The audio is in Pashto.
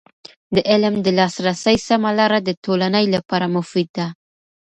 د علم د لاسرسي سمه لاره د ټولنې لپاره مفید ده.